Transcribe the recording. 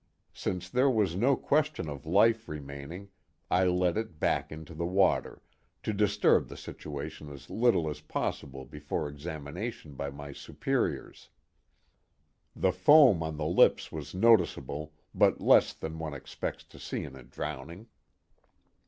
Since there was no question of life remaining, I let it back into the water, to disturb the situation as little as possible before examination by my superiors. The foam on the lips was noticeable, but less than one expects to see in a drowning."